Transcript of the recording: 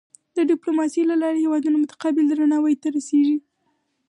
د ډیپلوماسۍ له لارې هېوادونه متقابل درناوی ته رسي.